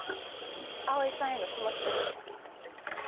葵さんへの気持ちです。